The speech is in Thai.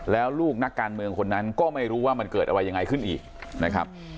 แล้วลูกนักการเมืองคนนั้นก็ไม่รู้ว่ามันเกิดอะไรยังไงขึ้นอีกนะครับ